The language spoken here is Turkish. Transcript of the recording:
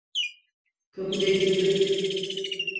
Kabul edildim.